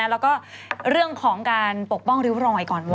แล้วก็เรื่องของการปกป้องริ้วรอยก่อน